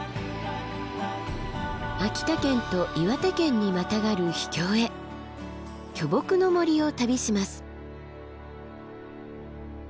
秋田県と岩手県にまたがる秘境へ巨木の森を旅します。